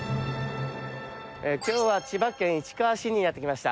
今日は千葉県市川市にやってきました。